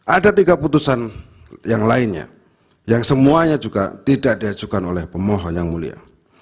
ada tiga putusan yang lainnya yang semuanya juga tidak diajukan oleh pemohon yang mulia